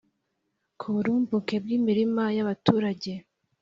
ku burumbuke bw'imirima y'abaturage